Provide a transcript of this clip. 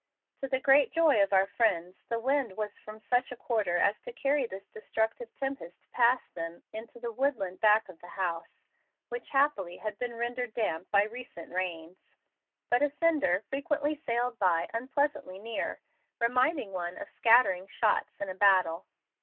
To the great joy of our friends the wind was from such a quarter as to carry this destructive tempest past them into the woodland back of the house, which happily had been rendered damp by recent rains. But a cinder frequently sailed by unpleasantly near, reminding one of scattering shots in a battle.